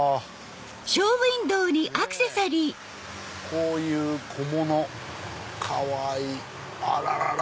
こういう小物かわいい！あらららら！